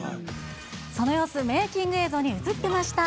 その様子、メーキング映像に映っていました。